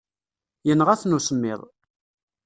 Yenɣa-ten usemmiḍ.